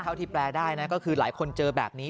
เท่าที่แปลได้นะก็คือหลายคนเจอแบบนี้